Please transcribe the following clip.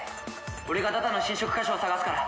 俺がダダの侵食箇所を探すから。